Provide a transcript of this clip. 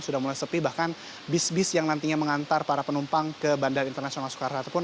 sudah mulai sepi bahkan bis bis yang nantinya mengantar para penumpang ke bandara internasional soekarno hatta pun